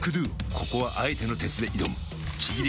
ここはあえての鉄で挑むちぎり